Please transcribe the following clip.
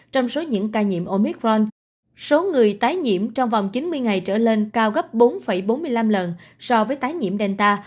trong số những ca nhiễm omicron số người tái nhiễm trong vòng chín mươi ngày trở lên cao gấp bốn bốn mươi năm lần so với tái nhiễm delta